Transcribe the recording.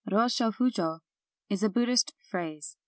"Ros ho fujo" is a Buddhist phrase.